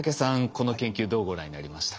この研究どうご覧になりましたか？